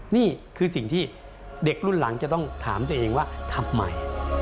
นี่คือสิ่งที่เด็กรุ่นหลังจะต้องถามตัวเองว่าทำไม